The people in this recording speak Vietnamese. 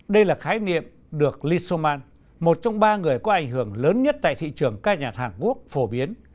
đây là khái niệm được lee soman một trong ba người có ảnh hưởng lớn nhất tại thị trường ca nhạc hàn quốc phổ biến